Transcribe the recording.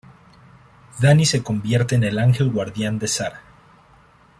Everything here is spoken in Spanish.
Danny se convierte en el ángel guardián de Sara.